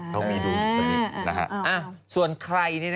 เขามีดูอยู่ตรงนี้นะครับ